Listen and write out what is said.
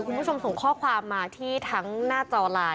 คุณผู้ชมส่งข้อความมาที่ทั้งหน้าจอไลน์